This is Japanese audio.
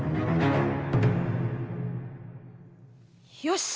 よし！